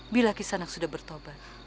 bila kisanak sudah bertobat